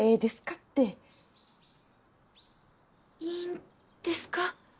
っていいんですか？